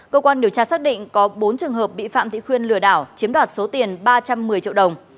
cơ quan điều tra xác định có bốn trường hợp bị phạm thị khuyên lừa đảo chiếm đoạt số tiền ba trăm một mươi triệu đồng